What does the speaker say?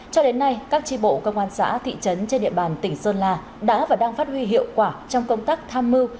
cho đến nay các tri bộ công an xã thị trấn trên địa bàn tỉnh sơn la đã và đang phát huy hiệu quả trong công tác tham mưu